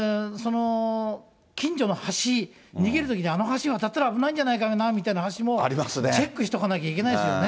近所の橋、逃げるときにあの橋渡ったら危ないんじゃないかなみたいな橋も、チェックしとかなきゃいけないですよね。